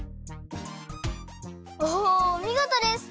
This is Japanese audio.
おみごとです！